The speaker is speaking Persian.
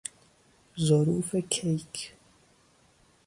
ظروف کیک